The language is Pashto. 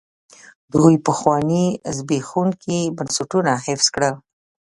دوی پخواني زبېښونکي بنسټونه حفظ کړل.